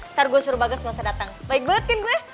ntar gue suruh bagus gak usah datang baik banget kan gue